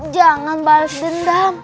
jangan bales dendam